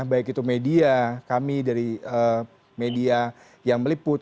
baik itu media kami dari media yang meliput